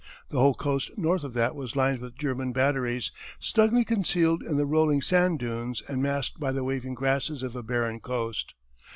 The whole coast north of that was lined with German batteries, snugly concealed in the rolling sand dunes and masked by the waving grasses of a barren coast.